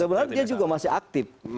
sebenarnya dia juga masih aktif